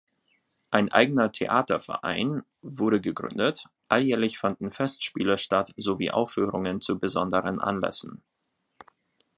Ein eigener Theaterverein wurde gegründet, alljährlich fanden Festspiele statt sowie Aufführungen zu besonderen Anlässen.